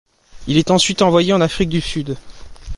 Il est ensuite envoyé en Afrique du Sud.